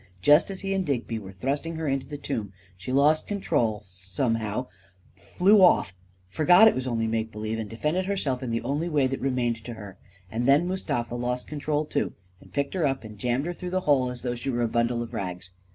" Just as he and Digby were thrusting her into the tomb, she lost control, somehow — flew off — forgot it was only make believe, and defended herself in the only way that remained to hen And then Mustafa lost con trol, too, and picked her up and jammed her through the hole as though she were a bundle of rags.